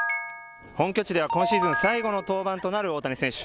本拠地では今シーズン最後の登板となる大谷選手。